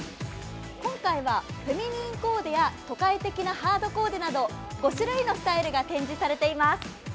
今回はフェミニンコーデや都会的なハードコーデなど、５種類のスタイルが展示されています。